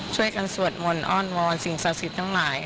ช่วยกันสวดมนต์อ้อนวอนสิ่งศาสตร์สิทธิ์ทั้งหลาย